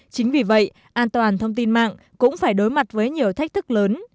chính vì vậy an toàn thông tin mạng cũng phải đối mặt với nhiều thách thức lớn